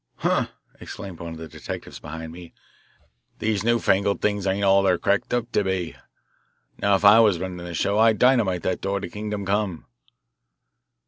"Huh!" exclaimed one of the detectives behind me, "these new fangled things ain't all they're cracked up to be. Now if I was runnin' this show, I'd dynamite that door to kingdom come."